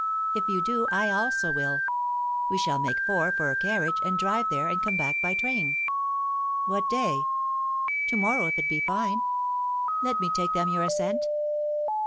If you do, I also will; we shall make four for a carriage, and drive there, and come back by train." "What day?" "To morrow, if it be fine. Let me take them your assent."